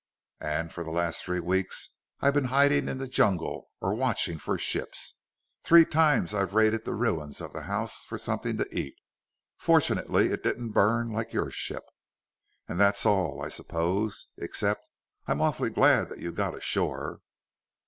"And for the last three weeks I've been hiding in the jungle, or watching for ships. Three times I've raided the ruins of the house for something to eat: fortunately it didn't burn, like your ship. And that's all, I suppose except I'm awfully glad that you got ashore."